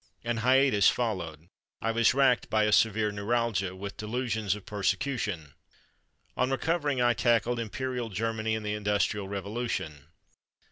An hiatus followed; I was racked by a severe neuralgia, with delusions of persecution. On recovering I tackled "Imperial Germany and the Industrial Revolution."